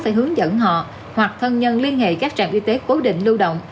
sẽ hướng dẫn họ hoặc thân nhân liên hệ các trạm y tế cố định lưu động